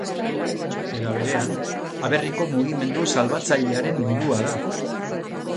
Era berean, Aberriko Mugimendu Salbatzailearen burua da.